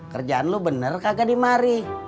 kerjaan lo bener kagak dimari